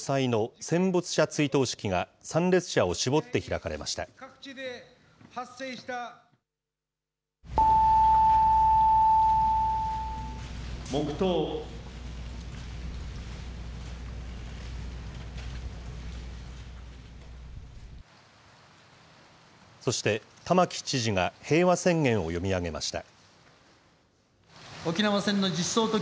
そして、玉城知事が平和宣言を読み上げました。